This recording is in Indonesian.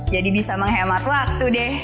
jadi bisa menghemat waktu deh